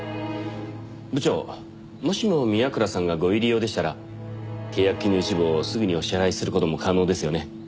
部長もしも宮倉さんがご入り用でしたら契約金の一部をすぐにお支払いする事も可能ですよね？